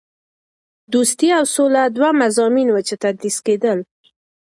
دوستي او سوله دوه مضامین وو چې تدریس کېدل.